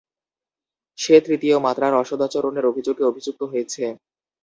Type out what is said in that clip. সে তৃতীয় মাত্রার অসদাচরণের অভিযোগে অভিযুক্ত হয়েছে।